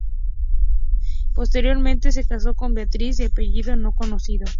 Posteriormente se casó con Beatriz, de apellido no conocido.